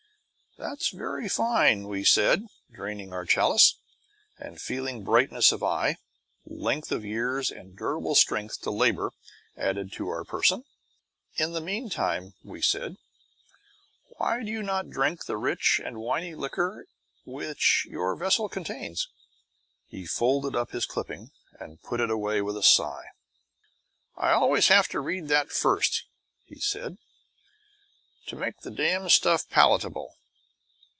That is very fine, we said, draining our chalice, and feeling brightness of eye, length of years, and durable strength to labour added to our person. In the meantime (we said) why do you not drink the rich and winy liquor which your vessel contains? He folded up his clipping and put it away with a sigh. I always have to read that first, he said, to make the damned stuff palatable.